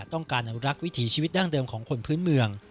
อนุรักษ์วิถีชีวิตดั้งเดิมของคนพื้นเมือง